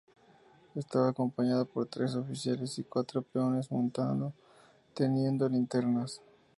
Estaba acompañado por tres oficiales y cuatro peones montado teniendo linternas.